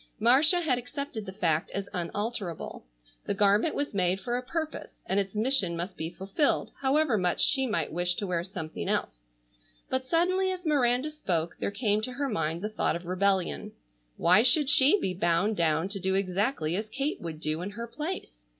Marcia had accepted the fact as unalterable. The garment was made for a purpose, and its mission must be fulfilled however much she might wish to wear something else, but suddenly as Miranda spoke there came to her mind the thought of rebellion. Why should she be bound down to do exactly as Kate would do in her place?